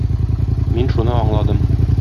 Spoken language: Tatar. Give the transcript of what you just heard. Мин шуны аңладым.